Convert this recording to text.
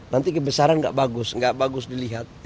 nanti kebesaran gak bagus gak bagus dilihat